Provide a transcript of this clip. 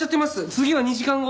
次は２時間後。